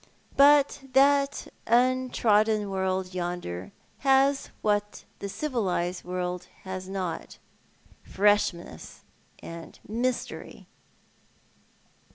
But that untrodden world yonder has what the civilised world has not — freshness and mystery."